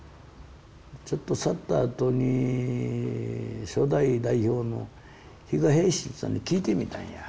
ちょっと去ったあとに初代代表の比嘉平信さんに聞いてみたんや。